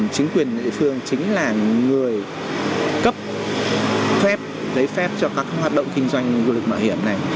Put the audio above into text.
chính quyền địa phương chính là người cấp phép giấy phép cho các hoạt động kinh doanh du lịch mạo hiểm này